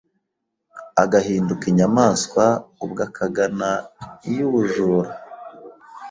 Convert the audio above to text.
agahinduka inyamaswa ubwo akagana iyu ubujura”.